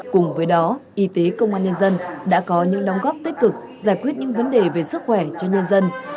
cùng với đó y tế công an nhân dân đã có những đóng góp tích cực giải quyết những vấn đề về sức khỏe cho nhân dân